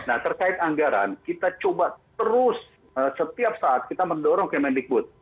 nah terkait anggaran kita coba terus setiap saat kita mendorong kemendikbud